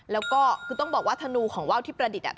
แล้วก็คือต้องบอกว่าธนูของว่าวที่ประดิษฐ์